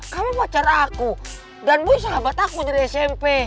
kamu pacar aku dan bui sahabat aku dari smp